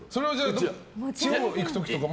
地方行く時とかも？